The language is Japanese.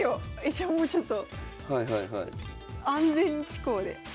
じゃあもうちょっと安全思考で。